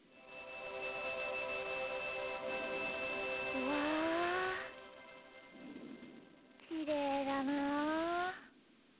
うわきれいだな。